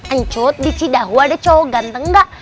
encut di cidahu ada cowok ganteng gak